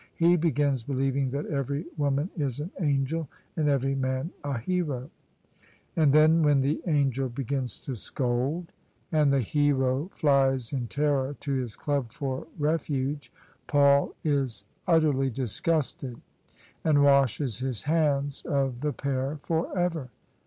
" He begins believing that every woman is an angel and every man a hero: and then when the angel begins to scold, and the hero flies in terror to his Club for refuge, Paul is utterly disgusted and washes his hands of OF ISABEL CARNABY the pair for ever.